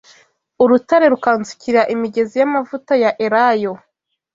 Urutare rukansukira imigezi y’amavuta ya elayo